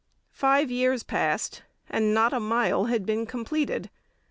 Five years passed, and not a mile had been completed.